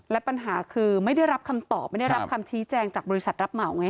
และปัญหาคือไม่ได้รับคำตอบไม่ได้รับคำชี้แจงจากบริษัทรับเหมาไง